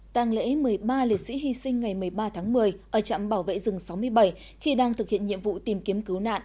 tàng lễ một mươi ba liệt sĩ hy sinh ngày một mươi ba tháng một mươi ở trạm bảo vệ rừng sáu mươi bảy khi đang thực hiện nhiệm vụ tìm kiếm cứu nạn